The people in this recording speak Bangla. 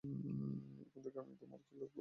এখন থেকে আমি তোমার খেয়াল রাখব।